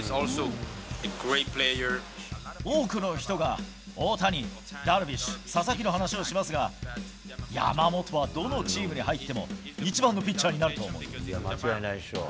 多くの人が大谷、ダルビッシュ、佐々木の話をしますが、山本はどのチームに入っても一番のピッチャーになると思うよ。